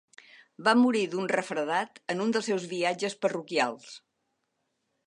Va morir d'un refredat en un dels seus viatges parroquials.